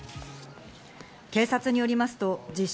警察によりますと、自称